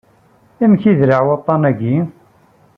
Amek iderreɛ waṭṭan-ayi?